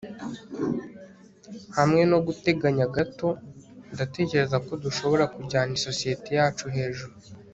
hamwe noguteganya gato, ndatekereza ko dushobora kujyana isosiyete yacu hejuru